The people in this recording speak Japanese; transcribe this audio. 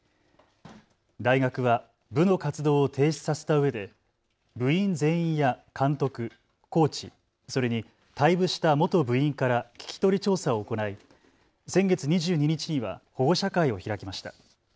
大学は部の活動を停止させたうえで部員全員や監督、コーチ、それに退部した元部員から聞き取り調査を行い先月２２日には保護者会を開きました。